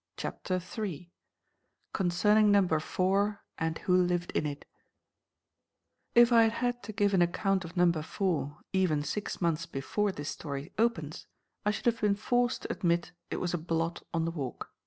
*CHAPTER III* *CONCERNING NUMBER FOUR AND WHO LIVED IN IT* [Illustration: Chapter III headpiece] If I had had to give an account of Number Four even six months before this story opens I should have been forced to admit it was a blot on the Walk.